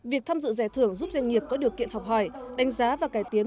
việc tham dự giải thưởng giúp doanh nghiệp có điều kiện học hỏi đánh giá và cải tiến